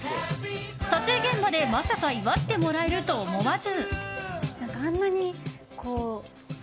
撮影現場でまさか祝ってもらえると思わず。